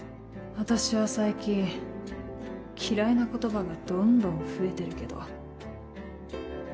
私は最近嫌いな言葉がどんどん増えてるけど。